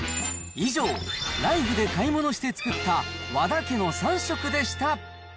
以上、ライフで買い物して作った和田家の３食でした。